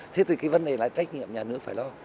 thế thì cái vấn đề là trách nhiệm nhà nước phải lo